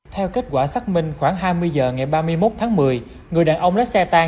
theo kết quả xác minh khoảng hai mươi h ngày ba mươi một tháng một mươi người đàn ông lái xe tan